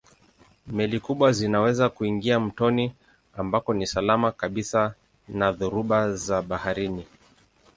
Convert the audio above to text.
Meli kubwa zinaweza kuingia mtoni ambako ni salama kabisa na dhoruba za baharini.